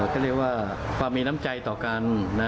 ก็เรียกว่าความมีน้ำใจต่อกัน